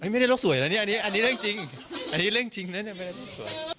ไม่ได้รกสวยแล้วอันนี้เรื่องจริงนั่นไม่ได้รกสวย